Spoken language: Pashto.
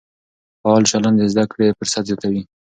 فعال چلند د زده کړې فرصت زیاتوي.